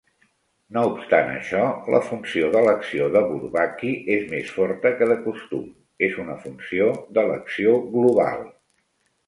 No obstant això, la funció d'elecció de Bourbaki és més forta que de costum: és una funció d'elecció "global".